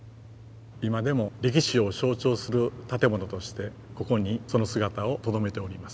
今でも歴史を象徴する建物としてここにその姿をとどめております。